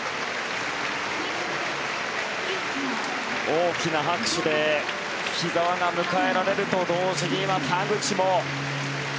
大きな拍手で木澤が迎えられると同時に今、田口も。